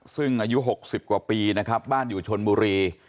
ซึ่งอายุ๖๐กว่าปีนะครับบ้านอยู่ชนบุรี